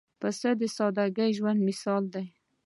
پسه د سادګۍ ژوندى مثال دی.